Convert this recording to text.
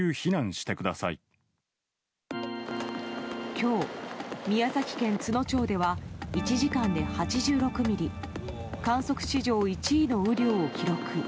今日、宮崎県都農町では１時間で８６ミリ観測史上１位の雨量を記録。